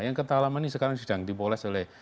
yang kota lama ini sekarang sedang dipoles oleh